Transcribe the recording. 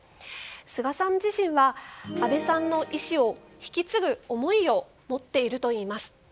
菅さん自身は安倍さんの遺志を引き継ぐ思いを持っているといいます。